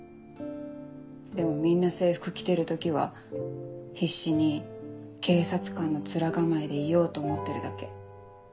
でもみんな制服着てる時は必死に警察官の面構えでいようと思ってるだけ。